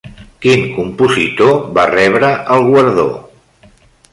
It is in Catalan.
Quin compositor va rebre el guardó?